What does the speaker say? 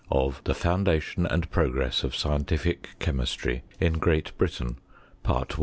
OF THB FOUNDATION AND P&00&E8S OF SCIENTIFIC CHEMISTKT IN GREAT BRITAIN.